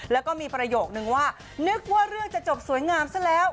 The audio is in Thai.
แล้วก็มีประโยคนึงว่านึกว่าเรื่องจะจบสวยงามซะแล้ว